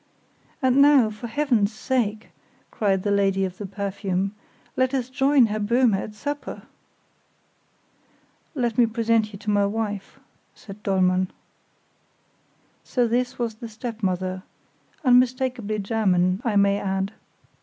"And now, for Heaven's sake," cried the lady of the perfume, "let us join Herr Böhme at supper!" "Let me present you to my wife," said Dollmann. So this was the stepmother; unmistakably German, I may add.